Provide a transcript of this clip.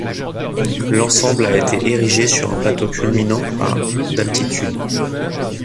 L'ensemble a été érigé sur un plateau culminant à d'altitude.